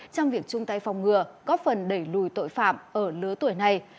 trong việc chung tay phòng ngừa góp phần đẩy lùi tội phạm ở lứa tuổi này